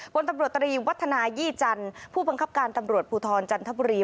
พลตำรวจตรีวัฒนายี่จันทร์ผู้บังคับการตำรวจภูทรจันทบุรี